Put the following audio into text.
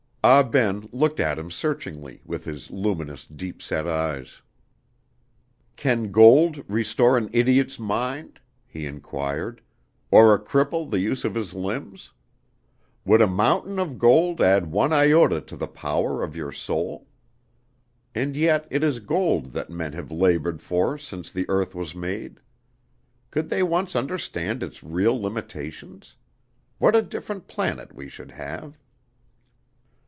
Ah Ben looked at him searchingly with his luminous, deep set eyes. "Can gold restore an idiot's mind," he inquired, "or a cripple the use of his limbs? Would a mountain of gold add one iota to the power of your soul? And yet it is gold that men have labored for since the earth was made. Could they once understand its real limitations? What a different planet we should have!"